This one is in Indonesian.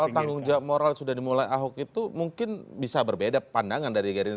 kalau tanggung jawab moral sudah dimulai ahok itu mungkin bisa berbeda pandangan dari gerindra